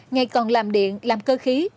ngày còn làm điện làm cơ khí